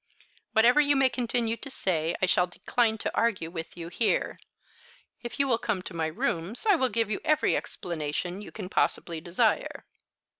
Whatever you may continue to say I shall decline to argue with you here. If you will come to my rooms I will give you every explanation you can possibly desire."